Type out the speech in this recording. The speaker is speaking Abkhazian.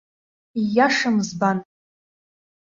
Ииашам збан.